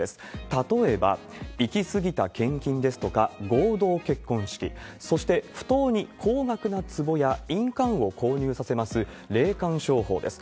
例えば、行き過ぎた献金ですとか合同結婚式、そして不当に高額なつぼや印鑑を購入させます霊感商法です。